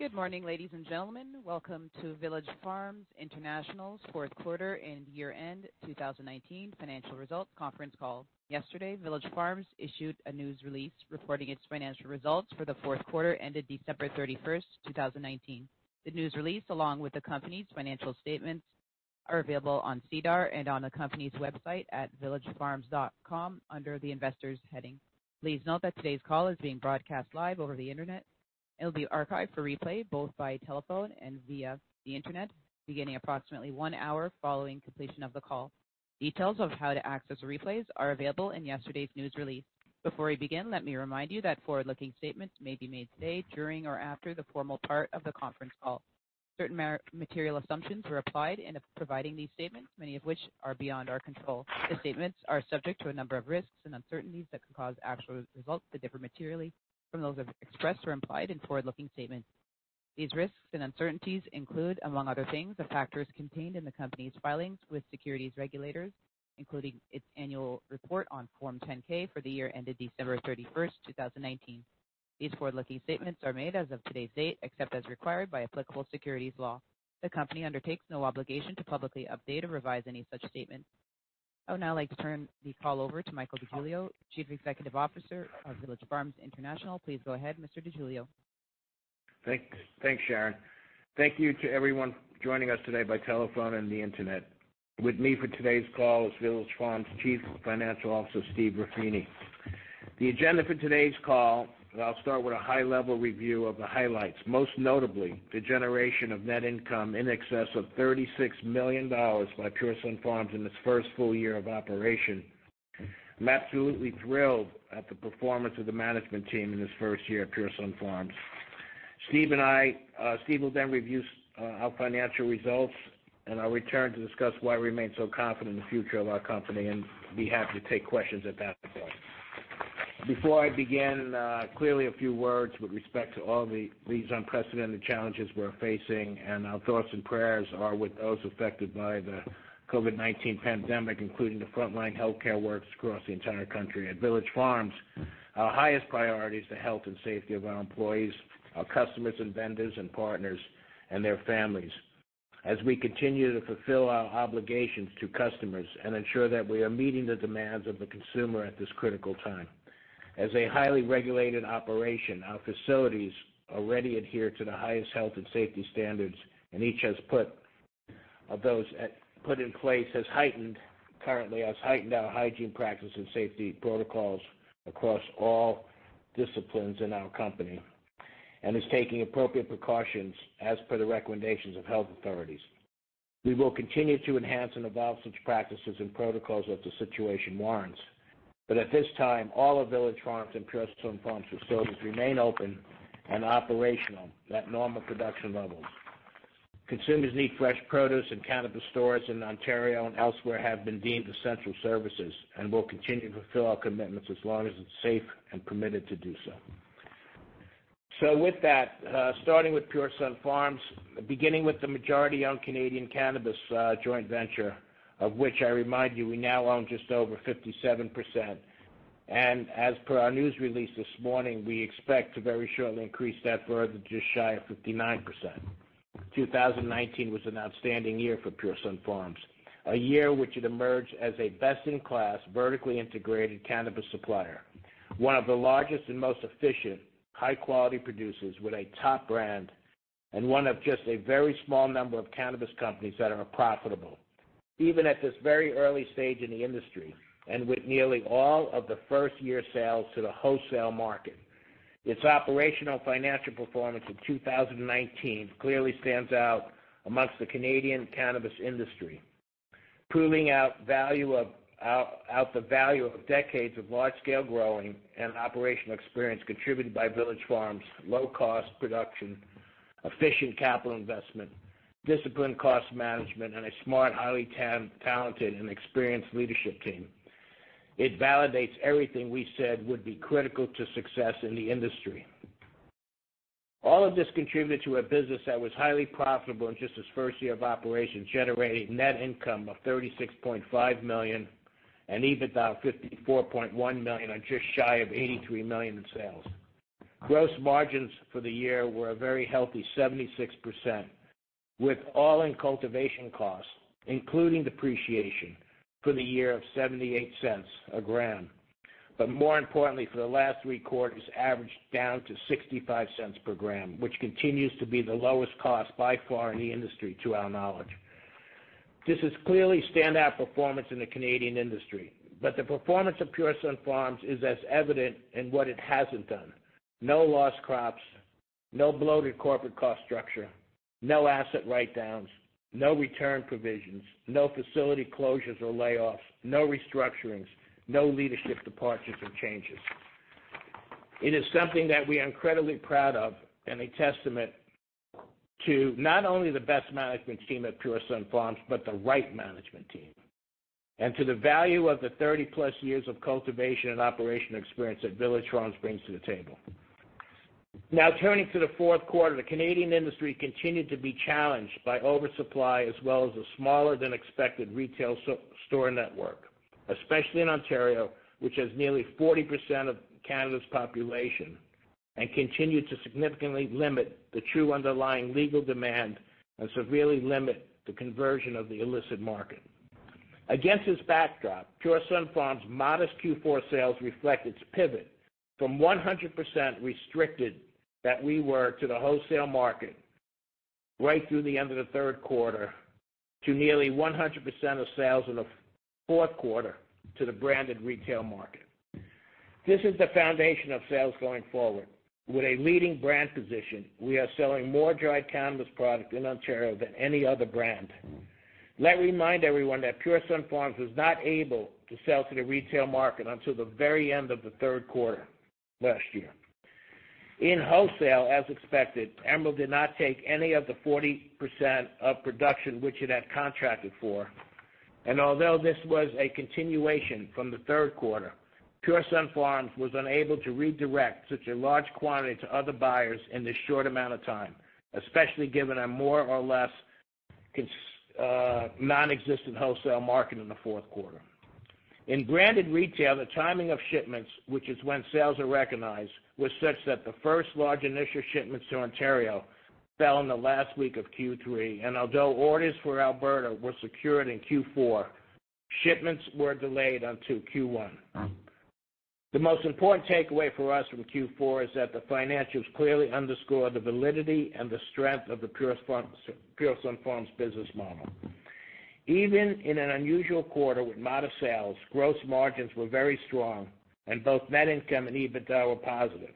Good morning, ladies and gentlemen. Welcome to Village Farms International's fourth quarter and year-end 2019 financial results conference call. Yesterday, Village Farms issued a news release reporting its financial results for the fourth quarter ended December 31st, 2019. The news release, along with the company's financial statements, are available on SEDAR and on the company's website at villagefarms.com under the Investors heading. Please note that today's call is being broadcast live over the internet. It'll be archived for replay both via telephone and via the internet, beginning approximately one hour following completion of the call. Details of how to access replays are available in yesterday's news release. Before we begin, let me remind you that forward-looking statements may be made today, during or after the formal part of the conference call. Certain material assumptions were applied in providing these statements, many of which are beyond our control. The statements are subject to a number of risks and uncertainties that could cause actual results to differ materially from those expressed or implied in forward-looking statements. These risks and uncertainties include, among other things, the factors contained in the company's filings with securities regulators, including its annual report on Form 10-K for the year ended December 31st, 2019. These forward-looking statements are made as of today's date, except as required by applicable securities law. The company undertakes no obligation to publicly update or revise any such statement. I would now like to turn the call over to Michael DeGiglio, Chief Executive Officer of Village Farms International. Please go ahead, Mr. DeGiglio. Thanks, Sharon. Thank you to everyone joining us today by telephone and the internet. With me for today's call is Village Farms Chief Financial Officer, Steve Ruffini. The agenda for today's call, I'll start with a high-level review of the highlights, most notably the generation of net income in excess of 36 million dollars by Pure Sunfarms in its first full year of operation. I'm absolutely thrilled at the performance of the management team in this first year at Pure Sunfarms. Steve will then review our financial results, I'll return to discuss why we remain so confident in the future of our company, be happy to take questions at that point. Before I begin, clearly a few words with respect to all these unprecedented challenges we're facing, our thoughts and prayers are with those affected by the COVID-19 pandemic, including the frontline healthcare workers across the entire country. At Village Farms, our highest priority is the health and safety of our employees, our customers and vendors and partners, and their families, as we continue to fulfill our obligations to customers and ensure that we are meeting the demands of the consumer at this critical time. As a highly regulated operation, our facilities already adhere to the highest health and safety standards, each of those put in place has heightened currently our hygiene practice and safety protocols across all disciplines in our company and is taking appropriate precautions as per the recommendations of health authorities. We will continue to enhance and evolve such practices and protocols if the situation warrants. At this time, all of Village Farms and Pure Sunfarms facilities remain open and operational at normal production levels. Consumers need fresh produce, and cannabis stores in Ontario and elsewhere have been deemed essential services, and we'll continue to fulfill our commitments as long as it's safe and permitted to do so. With that, starting with Pure Sunfarms, beginning with the majority-owned Canadian cannabis joint venture, of which I remind you, we now own just over 57%. As per our news release this morning, we expect to very shortly increase that further to just shy of 59%. 2019 was an outstanding year for Pure Sunfarms, a year which it emerged as a best-in-class, vertically integrated cannabis supplier. One of the largest and most efficient high-quality producers with a top brand and one of just a very small number of cannabis companies that are profitable. Even at this very early stage in the industry, and with nearly all of the first-year sales to the wholesale market, its operational financial performance in 2019 clearly stands out amongst the Canadian cannabis industry. Proving out the value of decades of large-scale growing and operational experience contributed by Village Farms' low-cost production, efficient capital investment, disciplined cost management, and a smart, highly talented, and experienced leadership team. It validates everything we said would be critical to success in the industry. All of this contributed to a business that was highly profitable in just its first year of operation, generating net income of $36.5 million and EBITDA of $54.1 million on just shy of $83 million in sales. Gross margins for the year were a very healthy 76%, with all-in cultivation costs, including depreciation, for the year of $0.78 a gram. More importantly, for the last three quarters, averaged down to 0.65 per gram, which continues to be the lowest cost by far in the industry, to our knowledge. This is clearly standout performance in the Canadian industry, but the performance of Pure Sunfarms is as evident in what it hasn't done. No lost crops, no bloated corporate cost structure, no asset write-downs, no return provisions, no facility closures or layoffs, no restructurings, no leadership departures or changes. It is something that we are incredibly proud of and a testament to not only the best management team at Pure Sunfarms, but the right management team, and to the value of the 30+ years of cultivation and operational experience that Village Farms brings to the table. Turning to the fourth quarter, the Canadian industry continued to be challenged by oversupply as well as a smaller-than-expected retail store network. Especially in Ontario, which has nearly 40% of Canada's population, continue to significantly limit the true underlying legal demand and severely limit the conversion of the illicit market. Against this backdrop, Pure Sunfarms' modest Q4 sales reflect its pivot from 100% restricted that we were to the wholesale market right through the end of the third quarter to nearly 100% of sales in the fourth quarter to the branded retail market. This is the foundation of sales going forward. With a leading brand position, we are selling more dried cannabis product in Ontario than any other brand. Let me remind everyone that Pure Sunfarms was not able to sell to the retail market until the very end of the third quarter last year. In wholesale, as expected, Emerald did not take any of the 40% of production which it had contracted for. Although this was a continuation from the third quarter, Pure Sunfarms was unable to redirect such a large quantity to other buyers in this short amount of time, especially given a more or less non-existent wholesale market in the fourth quarter. In branded retail, the timing of shipments, which is when sales are recognized, was such that the first large initial shipments to Ontario fell in the last week of Q3, and although orders for Alberta were secured in Q4, shipments were delayed until Q1. The most important takeaway for us from Q4 is that the financials clearly underscore the validity and the strength of the Pure Sunfarms business model. Even in an unusual quarter with modest sales, gross margins were very strong and both net income and EBITDA were positive.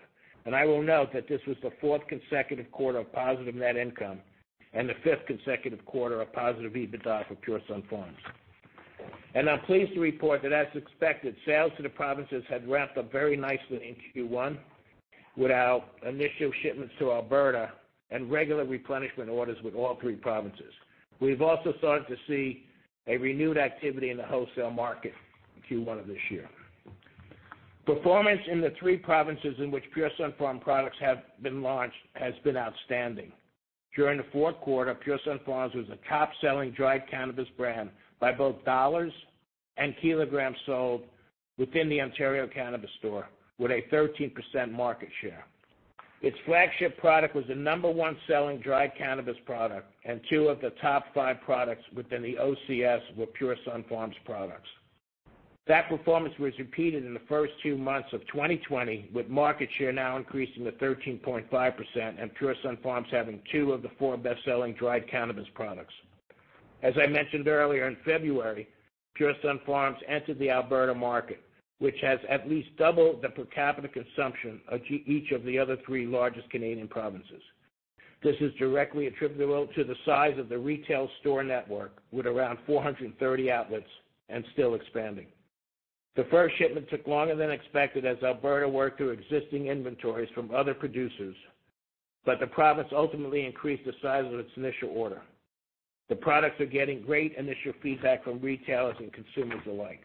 I will note that this was the fourth consecutive quarter of positive net income and the fifth consecutive quarter of positive EBITDA for Pure Sunfarms. I'm pleased to report that as expected, sales to the provinces had ramped up very nicely in Q1 with our initial shipments to Alberta and regular replenishment orders with all three provinces. We've also started to see a renewed activity in the wholesale market in Q1 of this year. Performance in the three provinces in which Pure Sunfarms products have been launched has been outstanding. During the fourth quarter, Pure Sunfarms was the top-selling dried cannabis brand by both dollars and kilograms sold within the Ontario Cannabis Store with a 13% market share. Its flagship product was the number one selling dried cannabis product, and two of the top five products within the OCS were Pure Sunfarms products. That performance was repeated in the first two months of 2020, with market share now increasing to 13.5% and Pure Sunfarms having two of the four best-selling dried cannabis products. As I mentioned earlier, in February, Pure Sunfarms entered the Alberta market, which has at least double the per capita consumption of each of the other three largest Canadian provinces. This is directly attributable to the size of the retail store network with around 430 outlets and still expanding. The first shipment took longer than expected as Alberta worked through existing inventories from other producers, but the province ultimately increased the size of its initial order. The products are getting great initial feedback from retailers and consumers alike.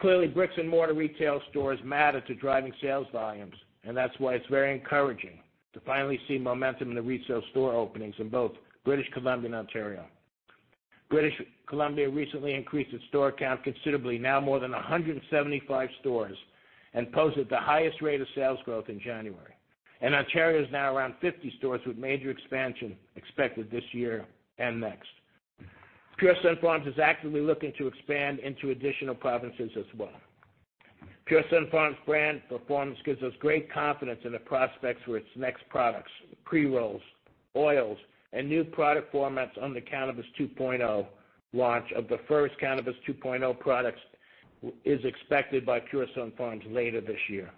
Clearly, bricks and mortar retail stores matter to driving sales volumes, and that’s why it’s very encouraging to finally see momentum in the retail store openings in both British Columbia and Ontario. British Columbia recently increased its store count considerably, now more than 175 stores, and posted the highest rate of sales growth in January. Ontario is now around 50 stores, with major expansion expected this year and next. Pure Sunfarms is actively looking to expand into additional provinces as well. Pure Sunfarms brand performance gives us great confidence in the prospects for its next products, pre-rolls, oils, and new product formats under Cannabis 2.0 launch of the first Cannabis 2.0 products is expected by Pure Sunfarms later this year.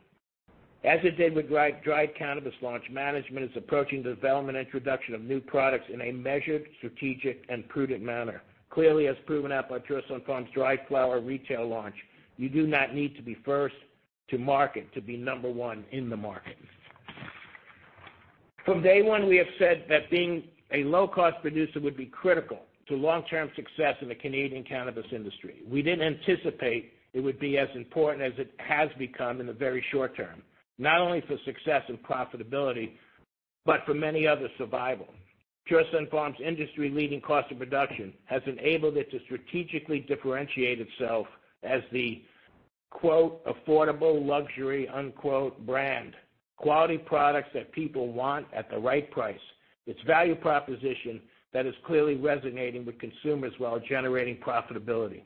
As it did with dried cannabis launch, management is approaching the development introduction of new products in a measured, strategic, and prudent manner. Clearly, as proven out by Pure Sunfarms dried flower retail launch, you do not need to be first to market to be number one in the market. From day one, we have said that being a low-cost producer would be critical to long-term success in the Canadian cannabis industry. We didn't anticipate it would be as important as it has become in the very short term, not only for success and profitability, but for many, other survival. Pure Sunfarms' industry-leading cost of production has enabled it to strategically differentiate itself as the affordable luxury brand, quality products that people want at the right price. Its value proposition that is clearly resonating with consumers while generating profitability.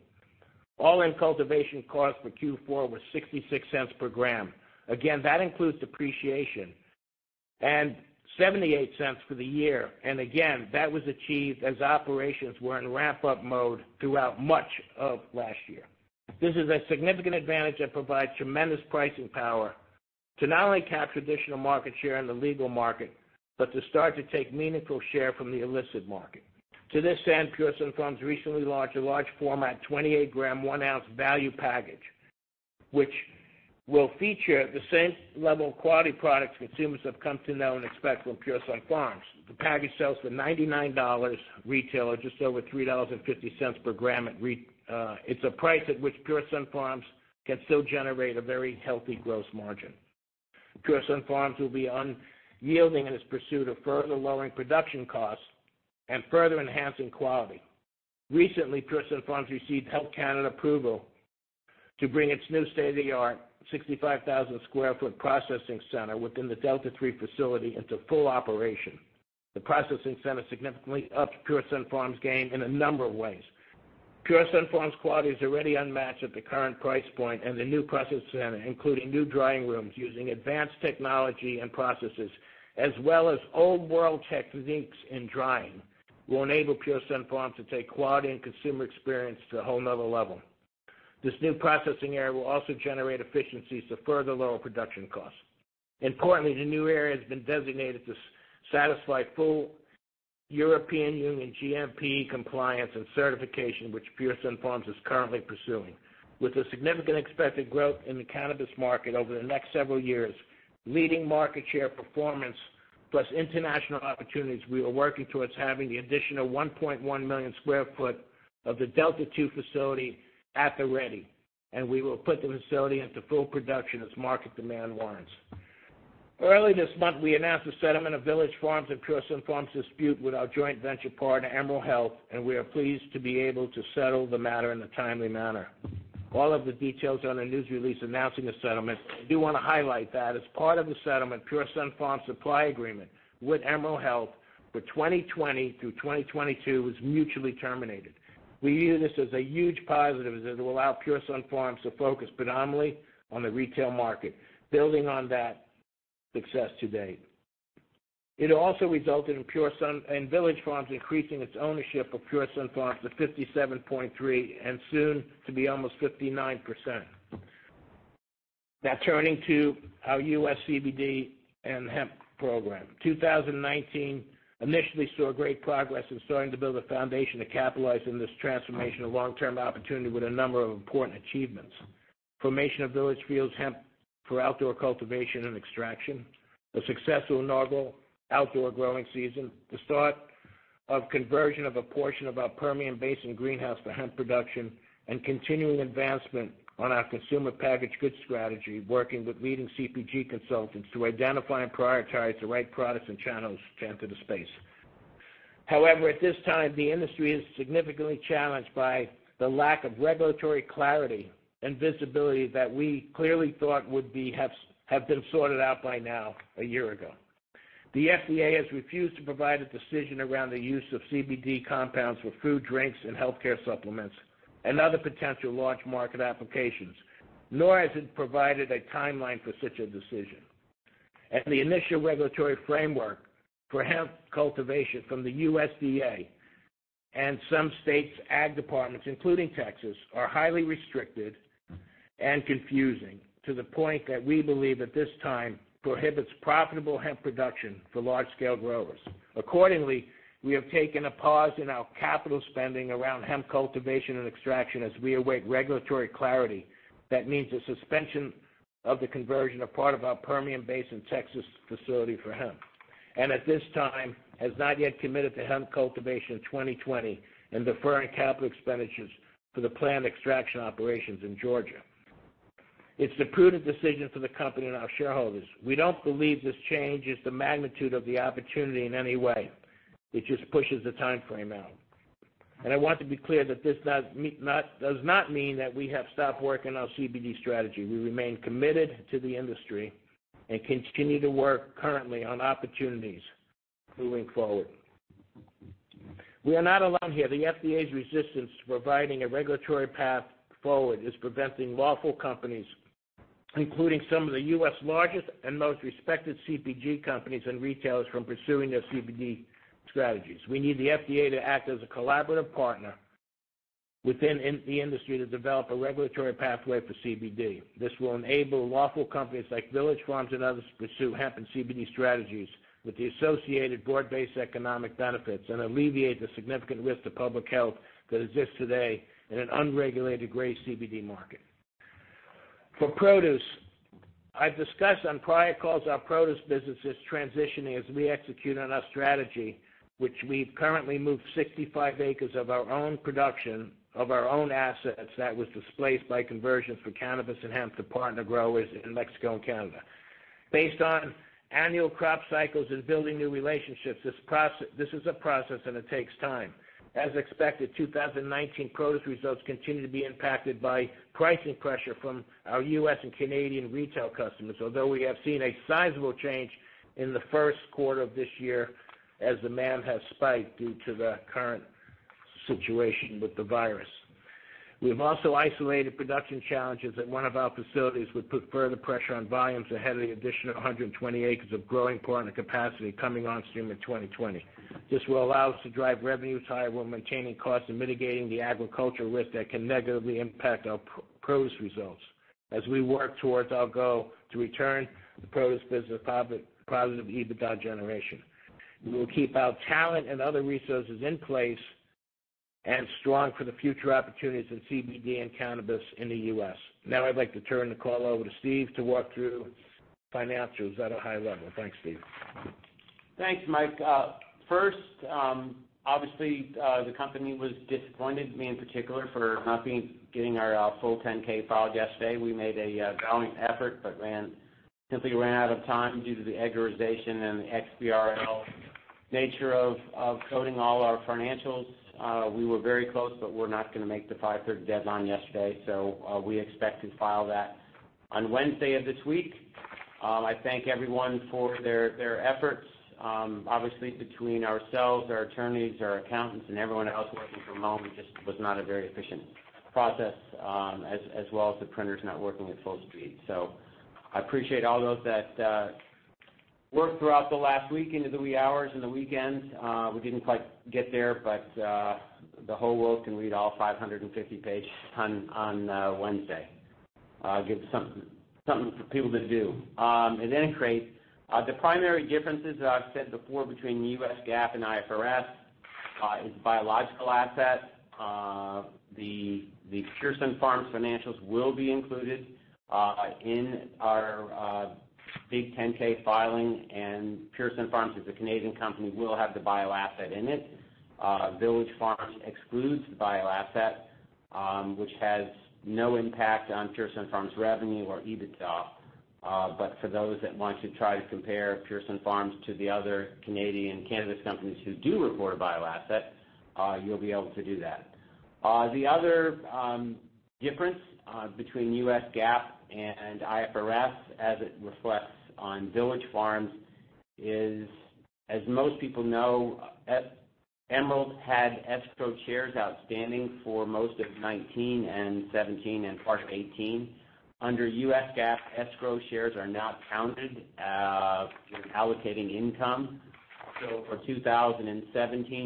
All-in cultivation costs for Q4 were 0.66 per gram. That includes depreciation and 0.78 for the year and again, that was achieved as operations were in ramp-up mode throughout much of last year. This is a significant advantage that provides tremendous pricing power to not only capture additional market share in the legal market, but to start to take meaningful share from the illicit market. To this end, Pure Sunfarms recently launched a large format 28-gram, one-ounce value package, which will feature the same level of quality products consumers have come to know and expect from Pure Sunfarms. The package sells for 99 dollars retail or just over 3.50 dollars per gram. It's a price at which Pure Sunfarms can still generate a very healthy gross margin. Pure Sunfarms will be unyielding in its pursuit of further lowering production costs and further enhancing quality. Recently, Pure Sunfarms received Health Canada approval to bring its new state-of-the-art 65,000 square foot processing center within the Delta 3 facility into full operation. The processing center significantly ups Pure Sunfarms' game in a number of ways. Pure Sunfarms' quality is already unmatched at the current price point, and the new processing center, including new drying rooms using advanced technology and processes, as well as old world techniques in drying, will enable Pure Sunfarms to take quality and consumer experience to a whole other level. This new processing area will also generate efficiencies to further lower production costs. Importantly, the new area has been designated to satisfy full European Union GMP compliance and certification, which Pure Sunfarms is currently pursuing. With the significant expected growth in the cannabis market over the next several years, leading market share performance, plus international opportunities, we are working towards having the additional 1.1 million square foot of the Delta 2 facility at the ready, and we will put the facility into full production as market demand warrants. Early this month, we announced the settlement of Village Farms' and Pure Sunfarms' dispute with our joint venture partner, Emerald Health, and we are pleased to be able to settle the matter in a timely manner. All of the details are in a news release announcing the settlement. I do want to highlight that as part of the settlement, Pure Sunfarms' supply agreement with Emerald Health for 2020 through 2022 was mutually terminated. We view this as a huge positive, as it will allow Pure Sunfarms to focus predominantly on the retail market, building on that success to date. It also resulted in Village Farms increasing its ownership of Pure Sunfarms to 57.3% and soon to be almost 59%. Turning to our U.S. CBD and hemp program. 2019 initially saw great progress in starting to build a foundation to capitalize on this transformational long-term opportunity with a number of important achievements. Formation of Village Fields Hemp for outdoor cultivation and extraction, the successful inaugural outdoor growing season, the start of conversion of a portion of our Permian Basin greenhouse for hemp production, and continuing advancement on our consumer packaged goods strategy, working with leading CPG consultants to identify and prioritize the right products and channels to enter the space. However, at this time, the industry is significantly challenged by the lack of regulatory clarity and visibility that we clearly thought would have been sorted out by now a year ago. The FDA has refused to provide a decision around the use of CBD compounds for food, drinks, and healthcare supplements and other potential large market applications, nor has it provided a timeline for such a decision. The initial regulatory framework for hemp cultivation from the USDA and some states' agricultural departments, including Texas, are highly restricted and confusing, to the point that we believe at this time prohibits profitable hemp production for large-scale growers. Accordingly, we have taken a pause in our capital spending around hemp cultivation and extraction as we await regulatory clarity. That means the suspension of the conversion of part of our Permian Basin, Texas facility for hemp. At this time, has not yet committed to hemp cultivation in 2020 and deferring capital expenditures for the planned extraction operations in Georgia. It's a prudent decision for the company and our shareholders. We don't believe this change is the magnitude of the opportunity in any way. It just pushes the timeframe out. I want to be clear that this does not mean that we have stopped working on CBD strategy. We remain committed to the industry and continue to work currently on opportunities moving forward. We are not alone here. The FDA's resistance to providing a regulatory path forward is preventing lawful companies, including some of the U.S. largest and most respected CPG companies and retailers, from pursuing their CBD strategies. We need the FDA to act as a collaborative partner within the industry to develop a regulatory pathway for CBD. This will enable lawful companies like Village Farms and others to pursue hemp and CBD strategies with the associated broad-based economic benefits and alleviate the significant risk to public health that exists today in an unregulated gray CBD market. For produce, I've discussed on prior calls our produce business is transitioning as we execute on our strategy, which we've currently moved 65 acres of our own production, of our own assets, that was displaced by conversions for cannabis and hemp to partner growers in Mexico and Canada. Based on annual crop cycles and building new relationships, this is a process, and it takes time. As expected, 2019 produce results continue to be impacted by pricing pressure from our U.S. and Canadian retail customers. Although we have seen a sizable change in the first quarter of this year as demand has spiked due to the current situation with the virus. We have also isolated production challenges at one of our facilities, which put further pressure on volumes ahead of the additional 120 acres of growing partner capacity coming on stream in 2020. This will allow us to drive revenues higher while maintaining costs and mitigating the agricultural risk that can negatively impact our produce results as we work towards our goal to return the produce business to positive EBITDA generation. We will keep our talent and other resources in place and strong for the future opportunities in CBD and cannabis in the U.S. Now I'd like to turn the call over to Steve to walk through financials at a high level. Thanks, Steve. Thanks, Mike. Obviously, the company was disappointed, me in particular, for not getting our full 10-K filed yesterday. We made a valiant effort, but simply ran out of time due to the EDGARization and the XBRL nature of coding all our financials. We were very close, but we're not going to make the 5:30 P.M. deadline yesterday. We expect to file that on Wednesday of this week. I thank everyone for their efforts. Obviously, between ourselves, our attorneys, our accountants, and everyone else working for months, it just was not a very efficient process, as well as the printers not working at full speed. I appreciate all those that worked throughout the last week into the wee hours and the weekends. We didn't quite get there, but the whole world can read all 550 pages on Wednesday. Give something for people to do. Then, Craig, the primary differences that I've said before between the U.S. GAAP and IFRS is biological assets. The Pure Sunfarms financials will be included in our big 10-K filing. Pure Sunfarms, as a Canadian company, will have the bio-asset in it. Village Farms excludes the bio-asset, which has no impact on Pure Sunfarms revenue or EBITDA. For those that want to try to compare Pure Sunfarms to the other Canadian cannabis companies who do report a bio-asset, you'll be able to do that. The other difference between U.S. GAAP and IFRS, as it reflects on Village Farms, is, as most people know, Emerald had escrow shares outstanding for most of 2019 and 2017 and part of 2018. Under U.S. GAAP, escrow shares are not counted when allocating income. For 2017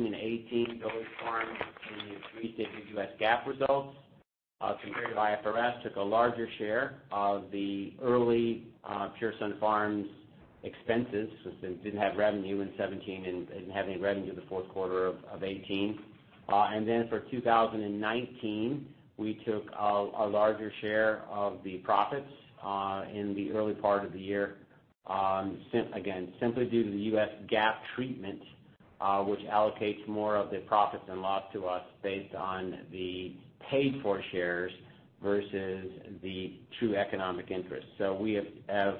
and 2018, Village Farms increased their U.S. GAAP results. Compared to IFRS, took a larger share of the early Pure Sunfarms expenses since they didn't have revenue in 2017 and didn't have any revenue the fourth quarter of 2018. Then for 2019, we took a larger share of the profits in the early part of the year, again, simply due to the U.S. GAAP treatment, which allocates more of the profits and loss to us based on the paid-for shares versus the true economic interest. We have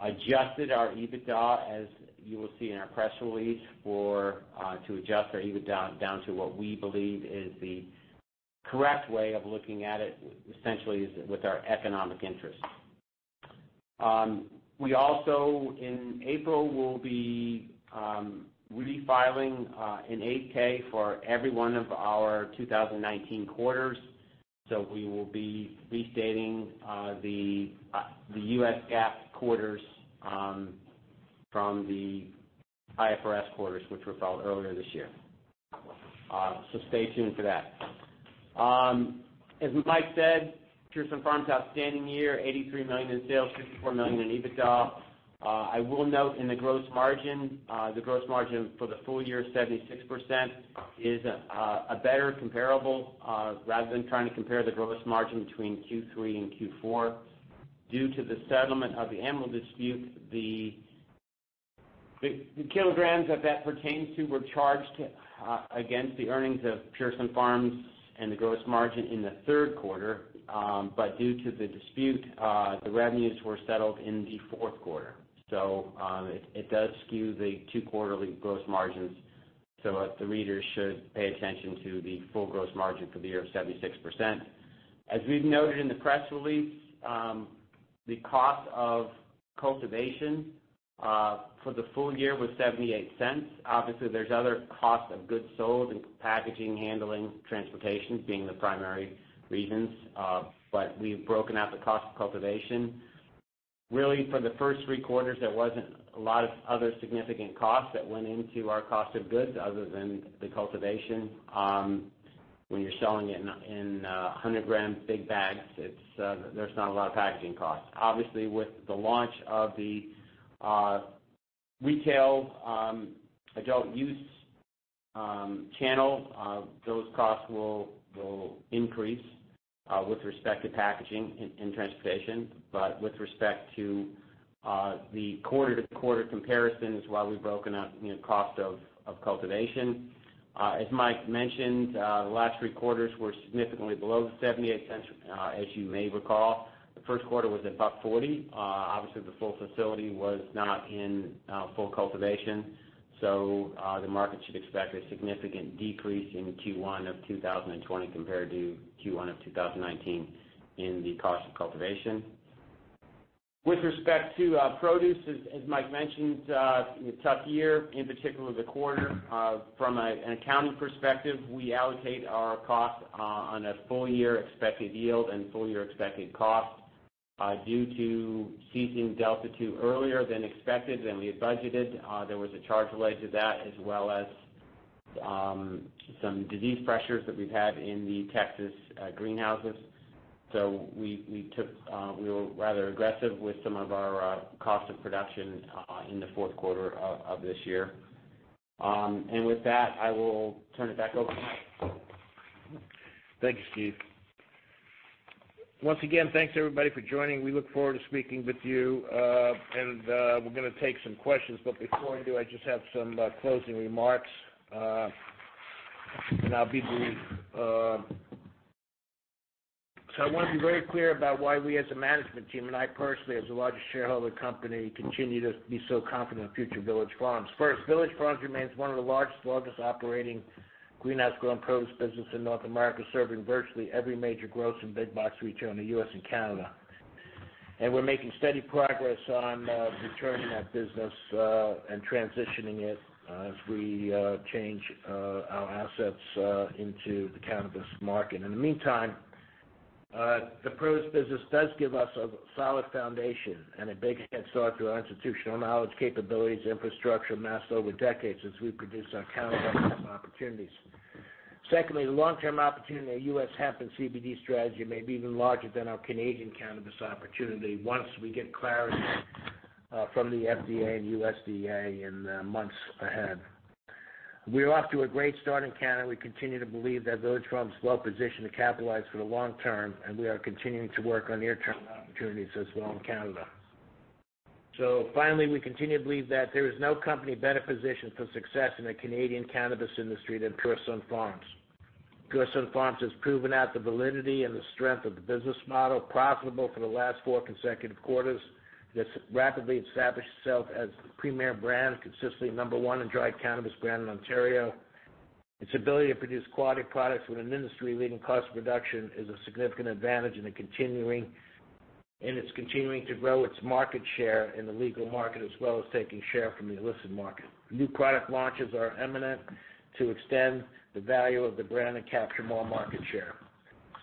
adjusted our EBITDA, as you will see in our press release, to adjust our EBITDA down to what we believe is the correct way of looking at it, essentially, is with our economic interest. We also, in April, will be refiling an 8-K for every one of our 2019 quarters. We will be restating the U.S. GAAP quarters from the IFRS quarters, which were filed earlier this year. Stay tuned for that. As Mike said, Pure Sunfarms, outstanding year, 83 million in sales, 54 million in EBITDA. I will note in the gross margin, the gross margin for the full year, 76%, is a better comparable, rather than trying to compare the gross margin between Q3 and Q4. Due to the settlement of the Emerald dispute, the kilograms that that pertains to were charged against the earnings of Pure Sunfarms and the gross margin in the third quarter. Due to the dispute, the revenues were settled in the fourth quarter. It does skew the two quarterly gross margins. The readers should pay attention to the full gross margin for the year of 76%. As we've noted in the press release, the cost of cultivation for the full year was 0.78. Obviously, there is other cost of goods sold, and packaging, handling, transportation being the primary reasons. We've broken out the cost of cultivation. Really, for the first three quarters, there wasn't a lot of other significant costs that went into our cost of goods other than the cultivation. When you're selling it in 100 gram big bags, there's not a lot of packaging costs. Obviously, with the launch of the retail adult use channel, those costs will increase with respect to packaging and transportation. With respect to the quarter-to-quarter comparisons, while we've broken out cost of cultivation, as Mike mentioned, the last three quarters were significantly below the $0.78. As you may recall, the first quarter was about $1.40. Obviously, the full facility was not in full cultivation. The market should expect a significant decrease in Q1 of 2020 compared to Q1 of 2019 in the cost of cultivation. With respect to produce, as Mike mentioned, a tough year, in particular the quarter. From an accounting perspective, we allocate our cost on a full-year expected yield and full-year expected cost. Due to seizing Delta 2 earlier than expected, than we had budgeted, there was a charge related to that, as well as some disease pressures that we've had in the Texas greenhouses. We were rather aggressive with some of our cost of production in the fourth quarter of this year. With that, I will turn it back over to Mike. Thank you, Steve. Once again, thanks everybody for joining. We look forward to speaking with you. We're going to take some questions, but before I do, I just have some closing remarks. I want to be very clear about why we as a management team, and I personally, as the largest shareholder of the company, continue to be so confident in the future of Village Farms. First, Village Farms remains one of the largest operating greenhouse grown produce business in North America, serving virtually every major gross and big box retailer in the U.S. and Canada. We're making steady progress on returning that business and transitioning it as we change our assets into the cannabis market. In the meantime, the produce business does give us a solid foundation and a big head start to our institutional knowledge, capabilities, infrastructure amassed over decades as we produce our cannabis opportunities. Secondly, the long-term opportunity of U.S. hemp and CBD strategy may be even larger than our Canadian cannabis opportunity once we get clarity from the FDA and USDA in the months ahead. We're off to a great start in Canada. We continue to believe that Village Farms is well-positioned to capitalize for the long term, and we are continuing to work on near-term opportunities as well in Canada. Finally, we continue to believe that there is no company better positioned for success in the Canadian cannabis industry than Pure Sunfarms. Pure Sunfarms has proven out the validity and the strength of the business model, profitable for the last four consecutive quarters, and has rapidly established itself as the premier brand, consistently number one in dried cannabis brand in Ontario. Its ability to produce quality products with an industry-leading cost reduction is a significant advantage and it is continuing to grow its market share in the legal market, as well as taking share from the illicit market. New product launches are imminent to extend the value of the brand and capture more market share,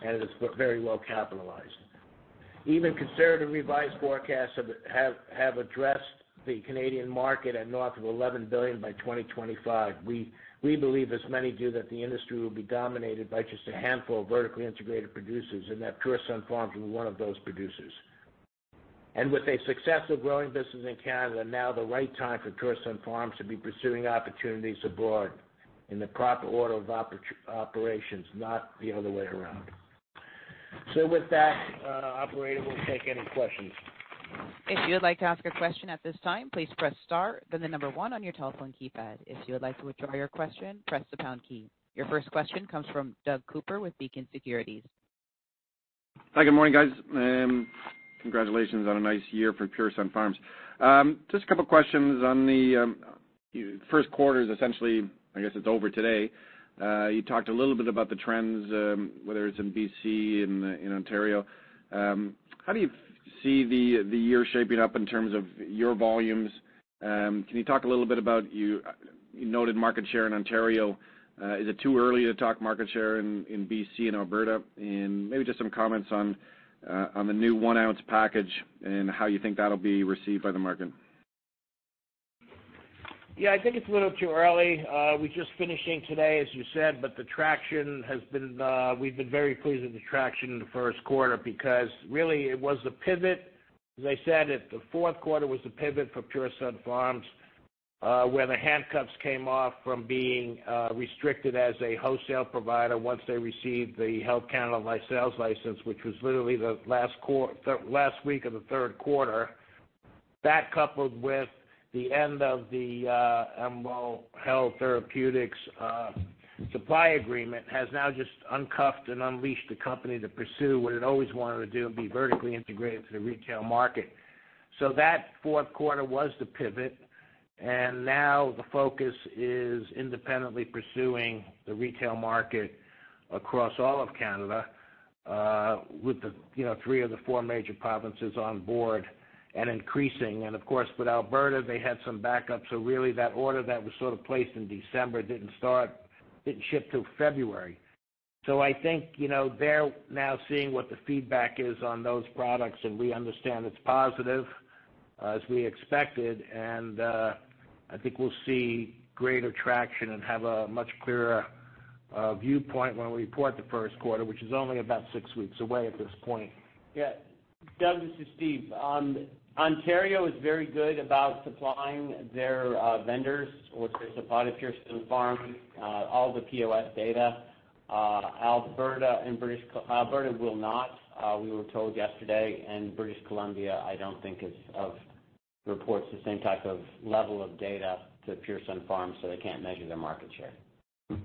and it is very well capitalized. Even conservative revised forecasts have addressed the Canadian market at north of 11 billion by 2025. We believe, as many do, that the industry will be dominated by just a handful of vertically integrated producers, and that Pure Sunfarms will be one of those producers. With a successful growing business in Canada, now is the right time for Pure Sunfarms to be pursuing opportunities abroad in the proper order of operations, not the other way around. With that, operator, we'll take any questions. If you would like to ask a question at this time, please press star, then the number one on your telephone keypad. If you would like to withdraw your question, press the pound key. Your first question comes from Doug Cooper with Beacon Securities. Hi, good morning, guys. Congratulations on a nice year for Pure Sunfarms. Just a couple of questions on the first quarter, essentially, I guess it's over today. You talked a little bit about the trends, whether it's in B.C., in Ontario. How do you see the year shaping up in terms of your volumes? Can you talk a little bit about You noted market share in Ontario. Is it too early to talk market share in B.C. and Alberta? Maybe just some comments on the new one ounce package and how you think that'll be received by the market. Yeah, I think it's a little too early. We're just finishing today, as you said, but we've been very pleased with the traction in the first quarter because really it was the pivot. As I said it, the fourth quarter was the pivot for Pure Sunfarms, where the handcuffs came off from being restricted as a wholesale provider once they received the Health Canada sales license, which was literally the last week of the third quarter. That, coupled with the end of the Emerald Health Therapeutics supply agreement, has now just uncuffed and unleashed the company to pursue what it always wanted to do and be vertically integrated to the retail market. That fourth quarter was the pivot, and now the focus is independently pursuing the retail market across all of Canada, with three of the four major provinces on board and increasing. Of course, with Alberta, they had some backups, so really that order that was sort of placed in December didn't ship till February. I think, they're now seeing what the feedback is on those products, and we understand it's positive as we expected. I think we'll see greater traction and have a much clearer viewpoint when we report the first quarter, which is only about six weeks away at this point. Yeah. Doug, this is Steve. Ontario is very good about supplying their vendors with their supply to Pure Sunfarms, all the POS data. Alberta will not, we were told yesterday, and British Columbia I don't think reports the same type of level of data to Pure Sunfarms, so they can't measure their market share. Okay.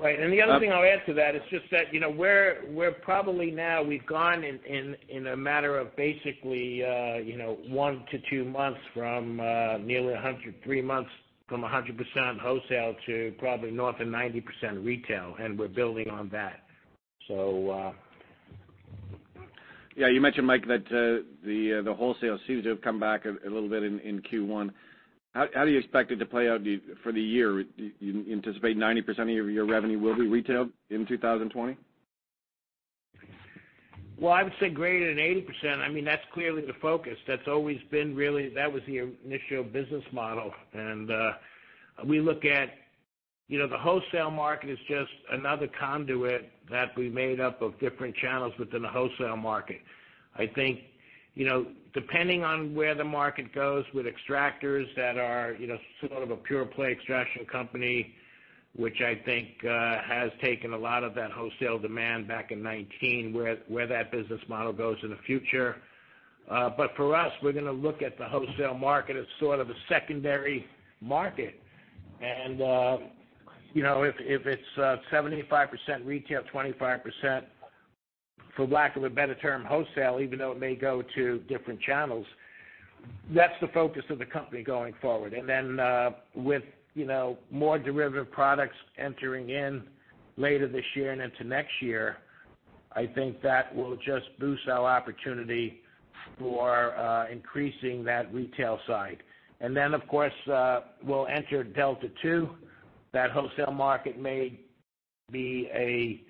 Right. The other thing I'll add to that is just that, we're probably now, we've gone in a matter of basically, one to two months from nearly three months from 100% wholesale to probably north of 90% retail, and we're building on that. Yeah, you mentioned, Mike, that the wholesale seems to have come back a little bit in Q1. How do you expect it to play out for the year? You anticipate 90% of your revenue will be retail in 2020? Well, I would say greater than 80%. That's clearly the focus. That's always been really that was the initial business model. We look at the wholesale market as just another conduit that we made up of different channels within the wholesale market. I think, depending on where the market goes with extractors that are sort of a pure play extraction company. Which I think has taken a lot of that wholesale demand back in 2019, where that business model goes in the future. For us, we're going to look at the wholesale market as sort of a secondary market. If it's 75% retail, 25%, for lack of a better term, wholesale, even though it may go to different channels, that's the focus of the company going forward. With more derivative products entering in later this year and into next year, I think that will just boost our opportunity for increasing that retail side. Of course, we'll enter Delta 2. That wholesale market may be a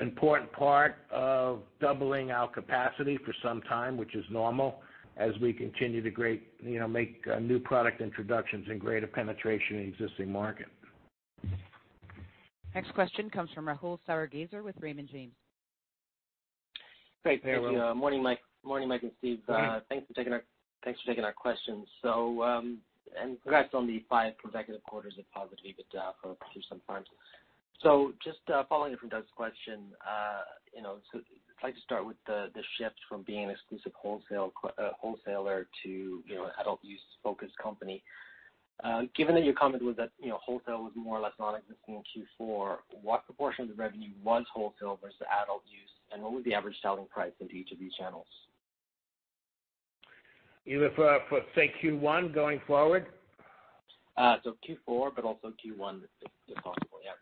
important part of doubling our capacity for some time, which is normal, as we continue to make new product introductions and greater penetration in existing market. Next question comes from Rahul Sarugaser with Raymond James. Great. Thank you. Morning, Mike, and Steve. Morning. Thanks for taking our questions. Congrats on the five consecutive quarters of positivity with Pure Sunfarms. Just following up from Doug's question, I'd like to start with the shifts from being an exclusive wholesaler to adult use-focused company. Given that your comment was that wholesale was more or less non-existent in Q4, what proportion of the revenue was wholesale versus adult use, and what was the average selling price into each of these channels? You refer for, say, Q1 going forward? Q4, but also Q1 if possible, yeah.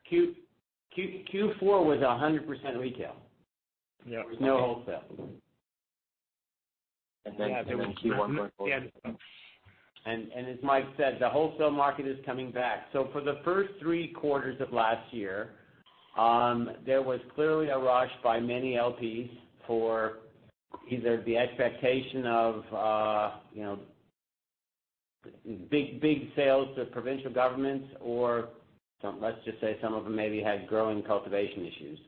Q4 was 100% retail. Yeah. No wholesale. Q1 going forward. As Mike said, the wholesale market is coming back. For the first three quarters of last year, there was clearly a rush by many LPs for either the expectation of big sales to provincial governments or, let's just say some of them maybe had growing cultivation issues.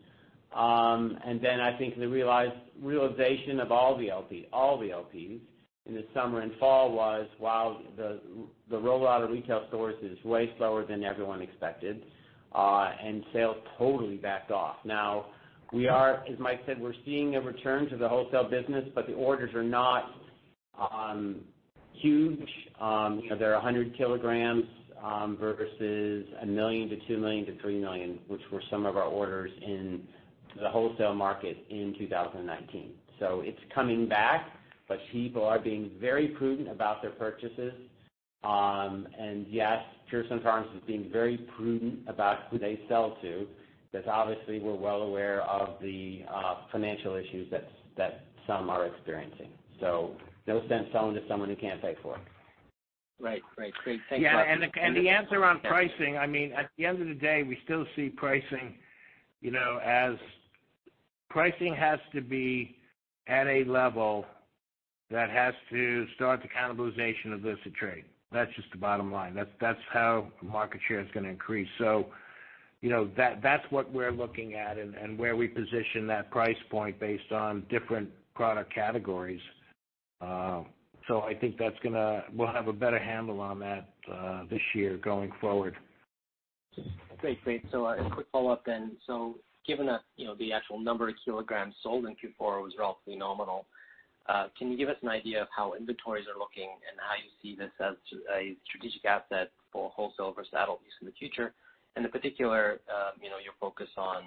Then I think the realization of all the LPs in the summer and fall was, wow, the rollout of retail stores is way slower than everyone expected, and sales totally backed off. As Mike said, we're seeing a return to the wholesale business, but the orders are not huge. They're 100 kg, versus 1 million to 2 million to 3 million, which were some of our orders in the wholesale market in 2019. It's coming back, but people are being very prudent about their purchases. Yes, Pure Sunfarms is being very prudent about who they sell to, because obviously we're well aware of the financial issues that some are experiencing. No sense selling to someone who can't pay for it. Right. Great. Thanks a lot. Yeah, the answer on pricing, at the end of the day, we still see pricing has to be at a level that has to start the cannibalization of illicit trade. That's just the bottom line. That's how market share is going to increase. That's what we're looking at and where we position that price point based on different product categories. I think we'll have a better handle on that this year going forward. Great. A quick follow-up then. Given that the actual number of kilograms sold in Q4 was relatively nominal, can you give us an idea of how inventories are looking and how you see this as a strategic asset for wholesale versus adult use in the future? In particular, your focus on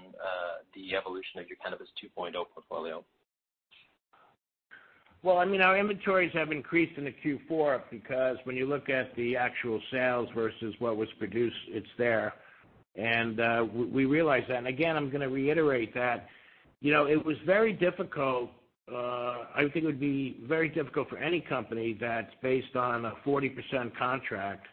the evolution of your Cannabis 2.0 portfolio? Well, our inventories have increased into Q4 because when you look at the actual sales versus what was produced, it's there. We realize that. Again, I'm going to reiterate that. It was very difficult. I think it would be very difficult for any company that's based on a 40% contract.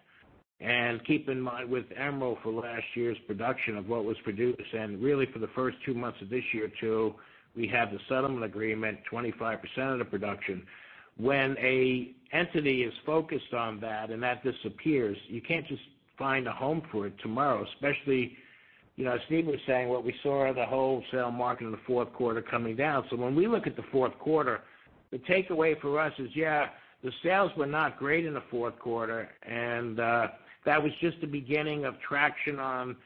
Keep in mind with Emerald for last year's production of what was produced, and really for the first two months of this year, too, we have the settlement agreement, 25% of the production. When an entity is focused on that and that disappears, you can't just find a home for it tomorrow, especially, as Steve was saying, what we saw the wholesale market in the fourth quarter coming down. When we look at the fourth quarter, the takeaway for us is, yeah, the sales were not great in the fourth quarter, and that was just the beginning of traction on the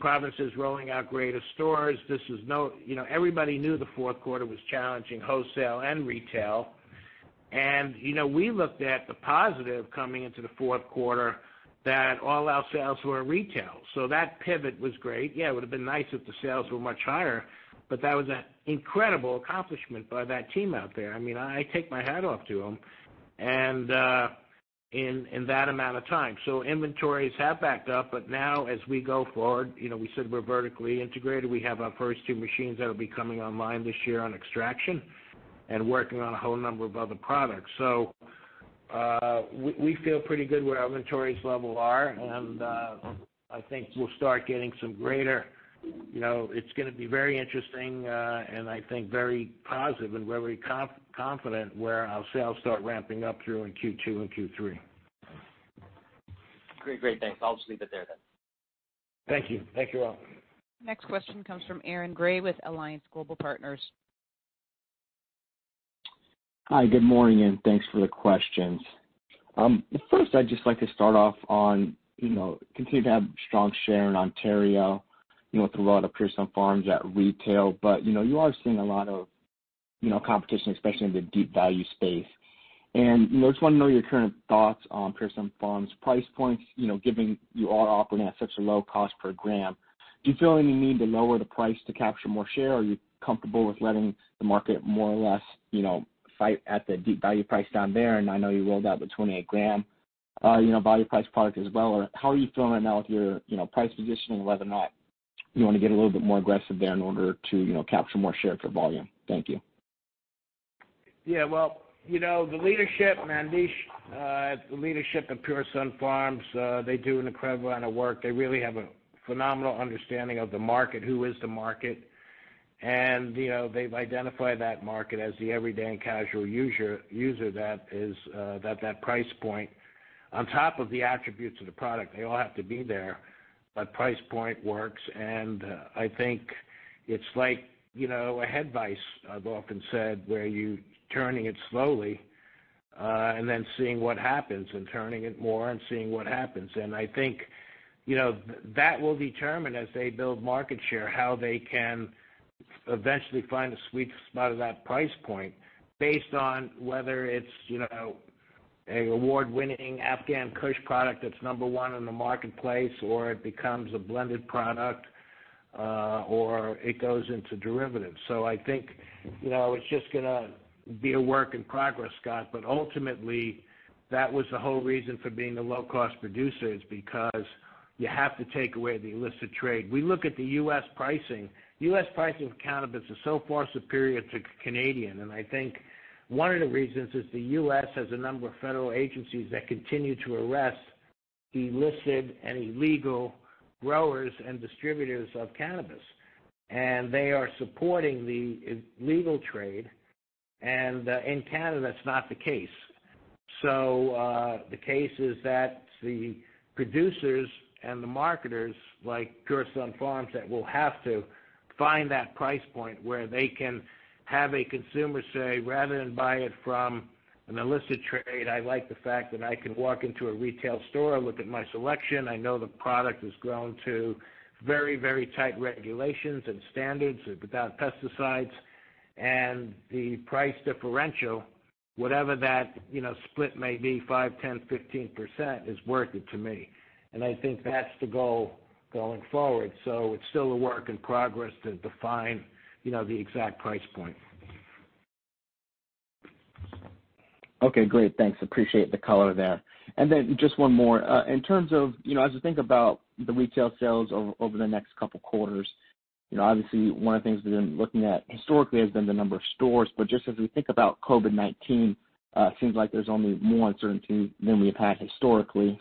provinces rolling out greater stores. Everybody knew the fourth quarter was challenging, wholesale and retail. We looked at the positive coming into the fourth quarter that all our sales were retail. That pivot was great. Yeah, it would've been nice if the sales were much higher, but that was an incredible accomplishment by that team out there. I take my hat off to them. In that amount of time. Inventories have backed up, but now as we go forward, we said we're vertically integrated. We have our first two machines that'll be coming online this year on extraction and working on a whole number of other products. We feel pretty good where our inventories level are, and I think we'll start getting some. It's going to be very interesting, and I think very positive and we're very confident where our sales start ramping up through in Q2 and Q3. Great. Thanks. I'll just leave it there then. Thank you. Thank you, Rahul. Next question comes from Aaron Grey with Alliance Global Partners. Hi, good morning. Thanks for the questions. First I'd just like to start off on, continue to have strong share in Ontario, with a lot of Pure Sunfarms at retail. You are seeing a lot of competition, especially in the deep value space. I just want to know your current thoughts on Pure Sunfarms price points, given you are operating at such a low cost per gram. Do you feel any need to lower the price to capture more share, or are you comfortable with letting the market more or less, fight at the deep value price down there? I know you rolled out the 28-gram, value priced product as well. How are you feeling right now with your price positioning, whether or not you want to get a little bit more aggressive there in order to capture more share for volume? Thank you. Yeah. Well, the leadership, [Mandl], the leadership of Pure Sunfarms, they do an incredible amount of work. They really have a phenomenal understanding of the market, who is the market. They've identified that market as the everyday and casual user that is at that price point. On top of the attributes of the product, they all have to be there, but price point works. I think it's like a head vice, I've often said, where you're turning it slowly, and then seeing what happens, and turning it more and seeing what happens. I think that will determine, as they build market share, how they can eventually find the sweet spot of that price point based on whether it's an award-winning Afghan Kush product that's number one in the marketplace, or it becomes a blended product, or it goes into derivatives. I think it's just going to be a work in progress, Scott. Ultimately, that was the whole reason for being a low-cost producer is because you have to take away the illicit trade. We look at the U.S. pricing. U.S. pricing of cannabis is so far superior to Canadian, and I think one of the reasons is the U.S. has a number of federal agencies that continue to arrest illicit and illegal growers and distributors of cannabis. They are supporting the legal trade, and in Canada, that's not the case. The case is that the producers and the marketers like Pure Sunfarms, that will have to find that price point where they can have a consumer say, rather than buy it from an illicit trade, I like the fact that I can walk into a retail store, look at my selection. I know the product is grown to very tight regulations and standards, without pesticides. The price differential, whatever that split may be, 5%, 10%, 15%, is worth it to me. I think that's the goal going forward. It's still a work in progress to define the exact price point. Okay, great. Thanks, appreciate the color there. Then just one more. In terms of, as we think about the retail sales over the next couple of quarters, obviously one of the things we've been looking at historically has been the number of stores. Just as we think about COVID-19, seems like there's only more uncertainty than we have had historically.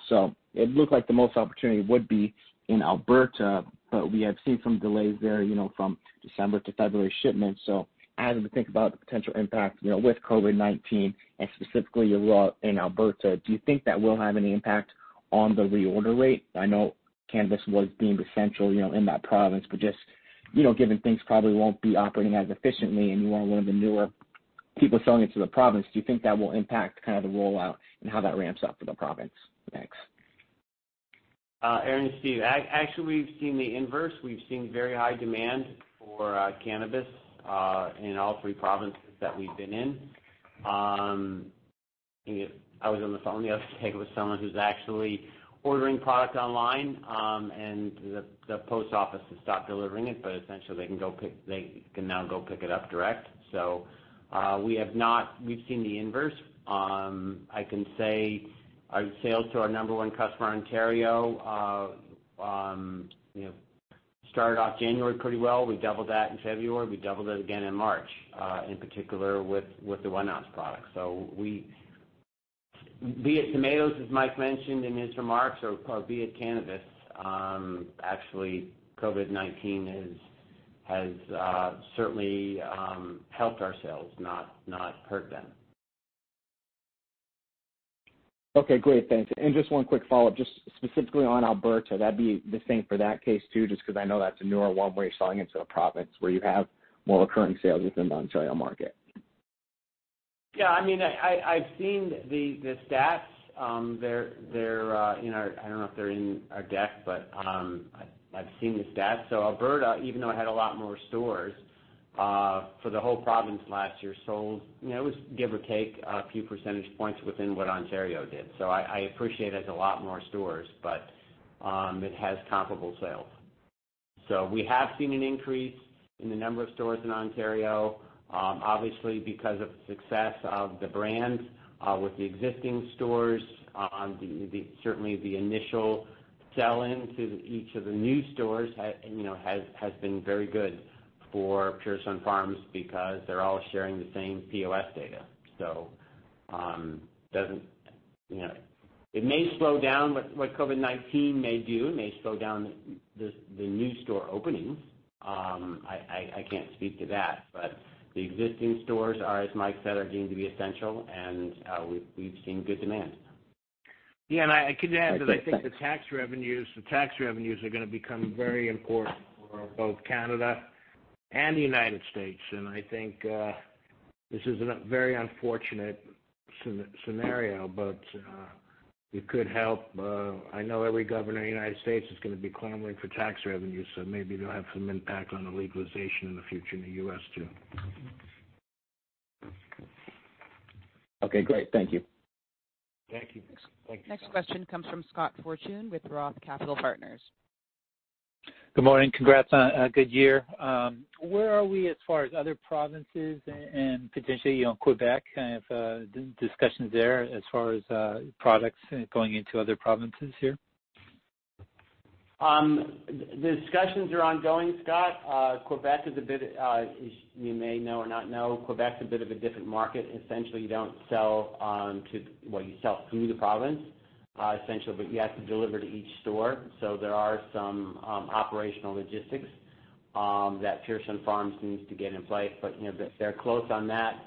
It looked like the most opportunity would be in Alberta, but we have seen some delays there, from December to February shipments. As we think about the potential impact, with COVID-19 and specifically your role in Alberta, do you think that will have any impact on the reorder rate? I know cannabis was deemed essential, in that province, but just, given things probably won't be operating as efficiently and you are one of the newer people selling into the province, do you think that will impact the rollout and how that ramps up for the province? Thanks. Aaron, it's Steve. Actually, we've seen the inverse. We've seen very high demand for cannabis, in all three provinces that we've been in. I was on the phone the other day with someone who's actually ordering product online, and the post office has stopped delivering it, but essentially they can now go pick it up direct. We've seen the inverse. I can say our sales to our number 1 customer, Ontario, started off January pretty well. We doubled that in February. We doubled it again in March, in particular with the 1-ounce product. Be it tomatoes, as Mike mentioned in his remarks, or be it cannabis, actually COVID-19 has certainly helped our sales, not hurt them. Okay, great. Thanks. Just one quick follow-up, just specifically on Alberta, that'd be the same for that case too, just because I know that's a newer one where you're selling into a province where you have more recurring sales within the Ontario market. I've seen the stats. I don't know if they're in our deck. I've seen the stats. Alberta, even though it had a lot more stores, for the whole province last year, sold, it was give or take a few percentage points within what Ontario did. I appreciate it has a lot more stores. It has comparable sales. We have seen an increase in the number of stores in Ontario. Obviously, because of the success of the brands, with the existing stores, certainly the initial sell-in to each of the new stores has been very good for Pure Sunfarms because they're all sharing the same POS data. It may slow down. What COVID-19 may do, it may slow down the new store openings. I can't speak to that, but the existing stores are, as Mike said, are deemed to be essential, and we've seen good demand. Yeah, I could add that I think the tax revenues are going to become very important for both Canada and the United States. I think this is a very unfortunate scenario, but it could help. I know every governor in the United States is going to be clamoring for tax revenues, maybe it'll have some impact on the legalization in the future in the U.S. too. Okay, great. Thank you. Thank you. Next question comes from Scott Fortune with Roth Capital Partners. Good morning. Congrats on a good year. Where are we as far as other provinces and potentially Quebec? Kind of discussions there as far as products going into other provinces here? The discussions are ongoing, Scott. As you may know or not know, Quebec is a bit of a different market. Essentially, you sell through the province, but you have to deliver to each store. There are some operational logistics that Pure Sunfarms needs to get in place. They're close on that.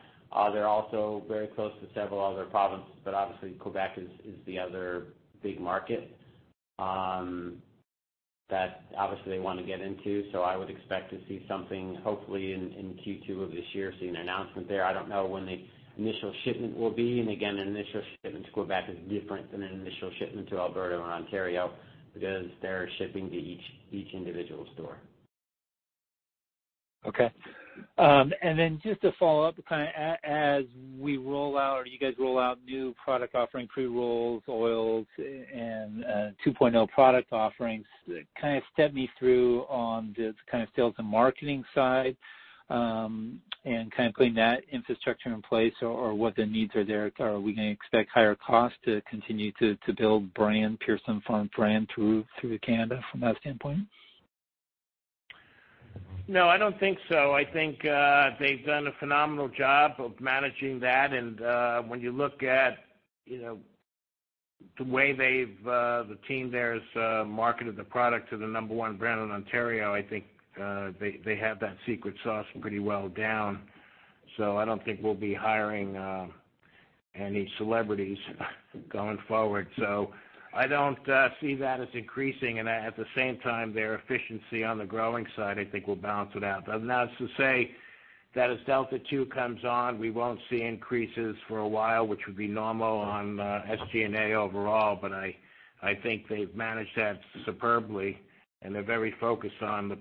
They're also very close to several other provinces, but obviously Quebec is the other big market that obviously they want to get into. I would expect to see something, hopefully in Q2 of this year, see an announcement there. I don't know when the initial shipment will be, and again, an initial shipment to Quebec is different than an initial shipment to Alberta and Ontario because they're shipping to each individual store. Okay. Just to follow up, kind of as we roll out or you guys roll out new product offering, pre-rolls, oils, and 2.0 product offerings, kind of step me through on the kind of sales and marketing side, and kind of putting that infrastructure in place or what the needs are there. Are we going to expect higher costs to continue to build Pure Sunfarms brand through Canada from that standpoint? No, I don't think so. I think they've done a phenomenal job of managing that. When you look at the way the team there has marketed the product to the number one brand in Ontario, I think they have that secret sauce pretty well down. I don't think we'll be hiring any celebrities going forward. I don't see that as increasing, and at the same time, their efficiency on the growing side, I think, will balance it out. Not to say that as Delta 2 comes on, we won't see increases for a while, which would be normal on SG&A overall. I think they've managed that superbly, and they're very focused on the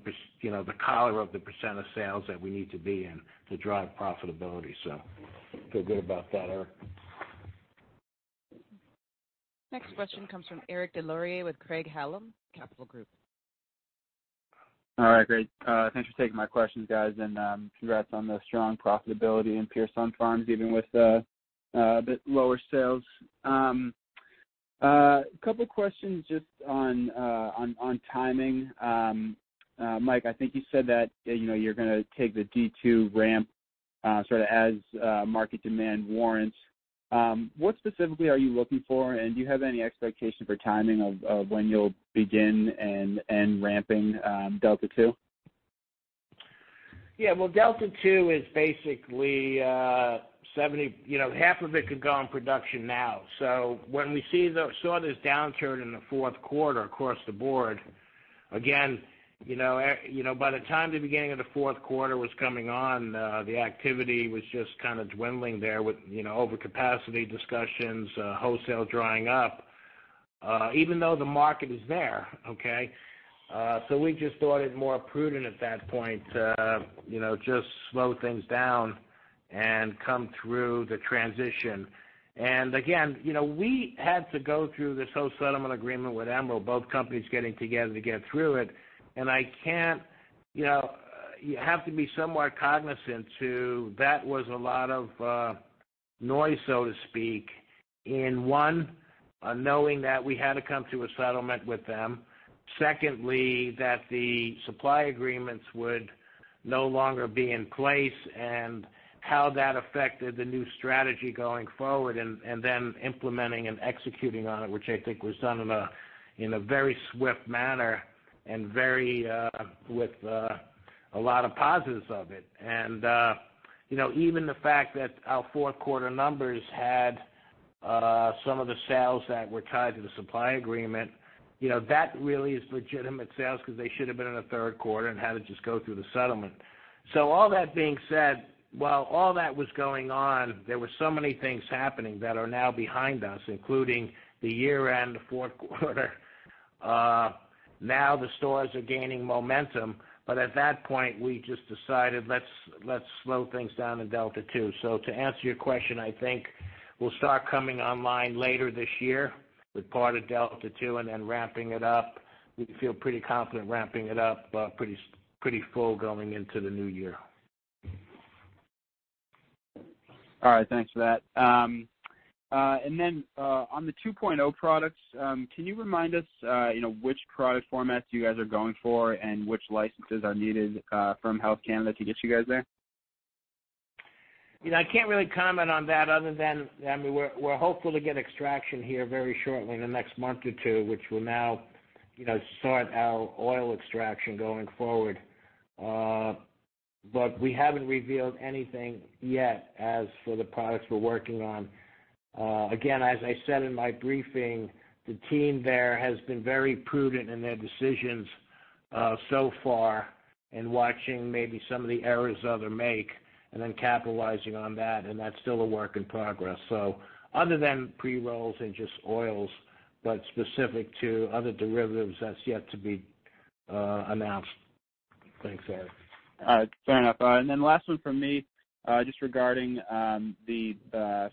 collar of the % of sales that we need to be in to drive profitability. Feel good about that. Next question comes from Eric Des Lauriers with Craig-Hallum Capital Group. All right, great. Thanks for taking my questions, guys, and congrats on the strong profitability in Pure Sunfarms, even with a bit lower sales. Couple questions just on timing. Mike, I think you said that you're going to take the Delta 2 ramp sort of as market demand warrants. What specifically are you looking for? Do you have any expectation for timing of when you'll begin and ramping Delta 2? Yeah. Well, Delta 2 is basically half of it could go in production now. When we saw this downturn in the fourth quarter across the board, again, by the time the beginning of the fourth quarter was coming on, the activity was just kind of dwindling there with overcapacity discussions, wholesale drying up, even though the market is there. Okay? We just thought it more prudent at that point to just slow things down and come through the transition. Again, we had to go through this whole settlement agreement with Emerald, both companies getting together to get through it. You have to be somewhat cognizant to, that was a lot of noise, so to speak, in one, knowing that we had to come to a settlement with them. Secondly, that the supply agreements would no longer be in place and how that affected the new strategy going forward and then implementing and executing on it, which I think was done in a very swift manner and with a lot of positives of it. Even the fact that our fourth quarter numbers had some of the sales that were tied to the supply agreement, that really is legitimate sales because they should've been in the third quarter and had to just go through the settlement. All that being said, while all that was going on, there were so many things happening that are now behind us, including the year-end, fourth quarter. Now the stores are gaining momentum, but at that point, we just decided, let's slow things down in Delta 2. To answer your question, I think we'll start coming online later this year with part of Delta 2 and then ramping it up. We feel pretty confident ramping it up pretty full going into the new year. All right. Thanks for that. On the Cannabis 2.0 products, can you remind us which product formats you guys are going for and which licenses are needed from Health Canada to get you guys there? I can't really comment on that other than, we're hopeful to get extraction here very shortly in the next month or two, which will now start our oil extraction going forward. We haven't revealed anything yet as for the products we're working on. Again, as I said in my briefing, the team there has been very prudent in their decisions so far in watching maybe some of the errors others make and then capitalizing on that, and that's still a work in progress. Other than pre-rolls and just oils, but specific to other derivatives, that's yet to be announced. Thanks, Eric. All right, fair enough. Last one from me, just regarding the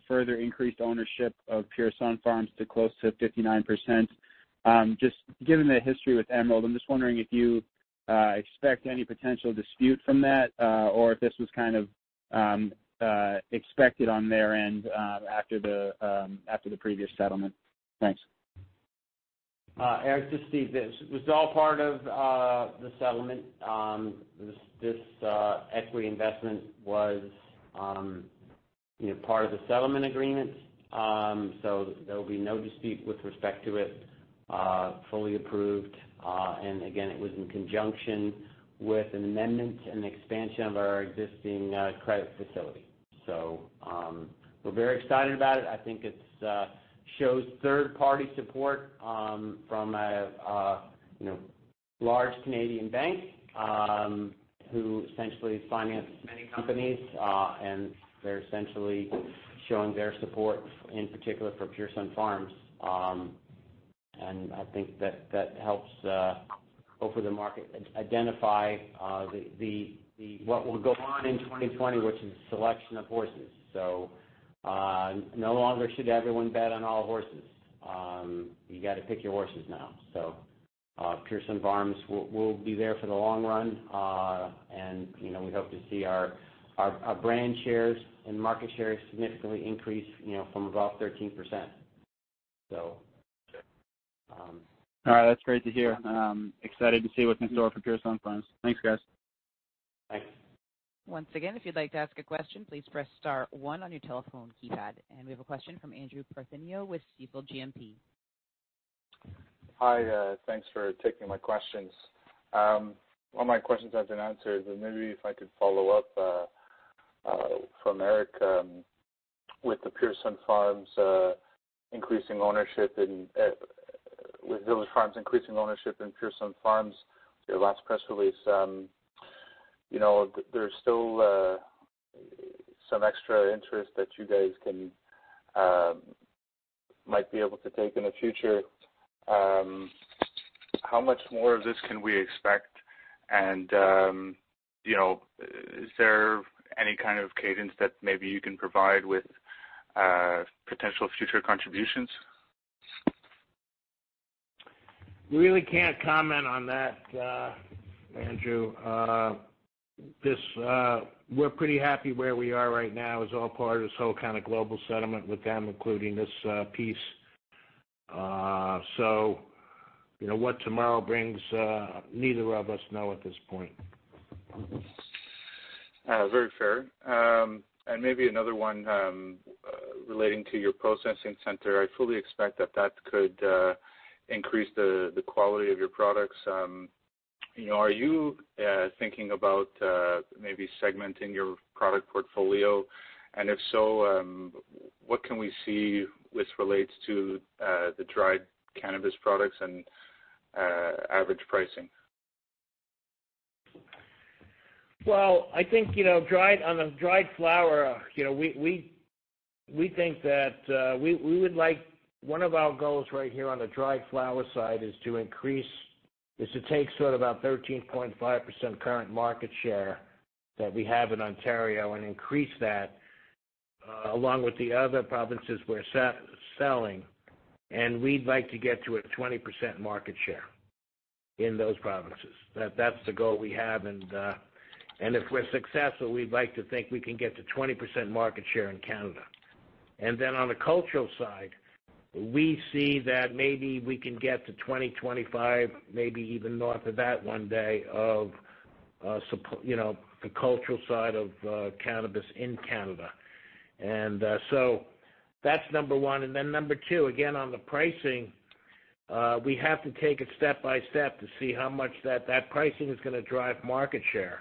further increased ownership of Pure Sunfarms to close to 59%. Just given the history with Emerald, I'm just wondering if you expect any potential dispute from that, or if this was kind of expected on their end after the previous settlement. Thanks. Eric, this is Steve. This was all part of the settlement. This equity investment was part of the settlement agreement, so there will be no dispute with respect to it, fully approved. Again, it was in conjunction with an amendment, an expansion of our existing credit facility. We're very excited about it. I think it shows third-party support from a large Canadian bank who essentially finances many companies, and they're essentially showing their support, in particular for Pure Sunfarms. I think that helps hopefully the market identify what will go on in 2020, which is selection of horses. No longer should everyone bet on all horses. You got to pick your horses now. Pure Sunfarms will be there for the long run. We hope to see our brand shares and market shares significantly increase from above 13%. All right. That's great to hear. I'm excited to see what's in store for Pure Sunfarms. Thanks, guys. Thanks. Once again, if you'd like to ask a question, please press star, one on your telephone keypad. We have a question from Andrew Partheniou with Stifel GMP. Hi. Thanks for taking my questions. All my questions have been answered, maybe if I could follow up from Eric. With Village Farms increasing ownership in Pure Sunfarms, your last press release, there's still some extra interest that you guys might be able to take in the future. How much more of this can we expect? Is there any kind of cadence that maybe you can provide with potential future contributions? Really can't comment on that, Andrew. We're pretty happy where we are right now. It's all part of this whole kind of global settlement with them, including this piece. What tomorrow brings, neither of us know at this point. Very fair. Maybe another one relating to your processing center. I fully expect that that could increase the quality of your products. Are you thinking about maybe segmenting your product portfolio? If so, what can we see with relates to the dried cannabis products and average pricing? Well, I think on the dried flower, one of our goals right here on the dried flower side is to take sort of our 13.5% current market share that we have in Ontario and increase that along with the other provinces we're selling, and we'd like to get to a 20% market share in those provinces. That's the goal we have. If we're successful, we'd like to think we can get to 20% market share in Canada. On the cultural side, we see that maybe we can get to 20%-25%, maybe even north of that one day of the cultural side of cannabis in Canada. That's number one. Number two, again, on the pricing, we have to take it step by step to see how much that pricing is going to drive market share.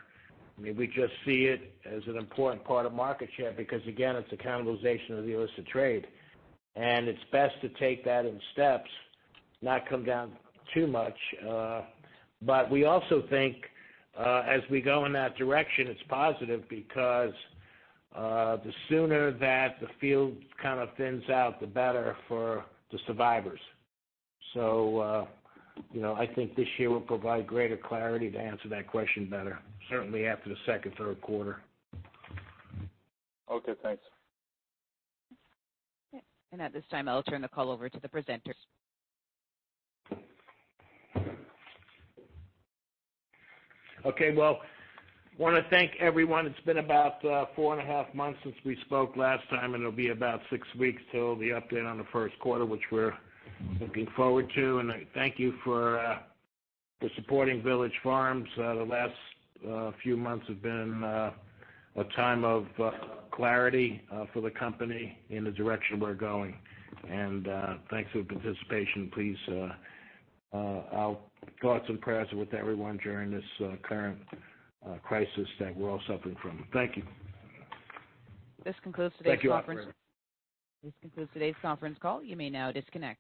We just see it as an important part of market share because again, it's a cannibalization of the illicit trade. It's best to take that in steps, not come down too much. We also think as we go in that direction, it's positive because the sooner that the field kind of thins out, the better for the survivors. I think this year will provide greater clarity to answer that question better, certainly after the second, third quarter. Okay, thanks. At this time, I'll turn the call over to the presenters. Okay. Well, want to thank everyone. It's been about four and a half months since we spoke last time, and it'll be about six weeks till the update on the first quarter, which we're looking forward to. Thank you for supporting Village Farms. The last few months have been a time of clarity for the company in the direction we're going. Thanks for your participation. Our thoughts and prayers are with everyone during this current crisis that we're all suffering from. Thank you. This concludes today's conference. Thank you, operator. This concludes today's conference call. You may now disconnect.